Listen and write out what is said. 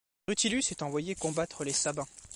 Rutilus est envoyé combattre les Sabins.